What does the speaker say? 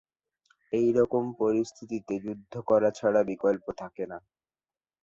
এ রকম পরিস্থিতিতে যুদ্ধ করা ছাড়া বিকল্প থাকে না।